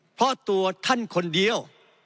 เพราะตัวท่านคนเดียว